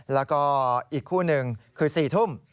แล้วก็อีกคู่หนึ่งคือ๔ทุ่ม